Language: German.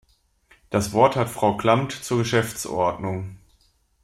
Das Wort hat Frau Klamt zur Geschäftsordnung.